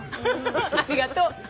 ありがとう！